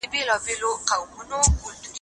زه به کښېناستل کړي وي!.